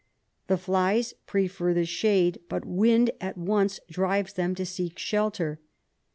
The flies prefer the shade, but wind at once drives them to seek shelter.